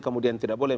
kemudian tidak boleh